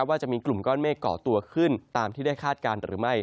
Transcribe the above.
ว่าจะมีกลุ่มก้อนเมฆก่อตัวขึ้นตามที่ได้คาดการณ์หรือไม่